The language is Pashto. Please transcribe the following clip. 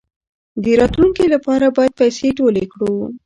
د راتلونکي لپاره باید پیسې ټولې کړو.